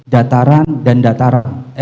dataran dan dataran